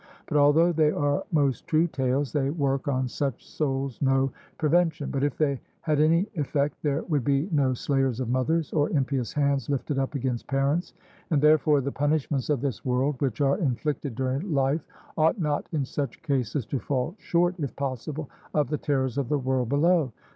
But although they are most true tales, they work on such souls no prevention; for if they had any effect there would be no slayers of mothers, or impious hands lifted up against parents; and therefore the punishments of this world which are inflicted during life ought not in such cases to fall short, if possible, of the terrors of the world below.